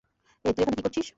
এই, তুই এখানে কী করছিস?